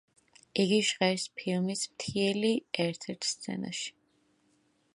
იგი ჟღერს ფილმის „მთიელი“ ერთ-ერთ სცენაში.